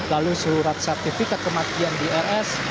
lalu surat sertifikat kematian di rs